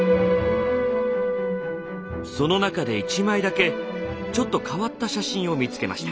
その中で一枚だけちょっと変わった写真を見つけました。